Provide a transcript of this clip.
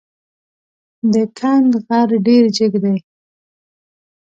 د کند غر ډېر جګ دی.